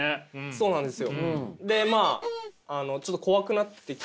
そうなんです。